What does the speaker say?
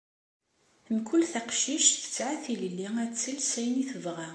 Mkul taqcict tesɛa tilelli ad tles ayen i tebɣa